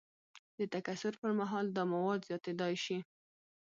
د تکثر پر مهال دا مواد زیاتیدای شي.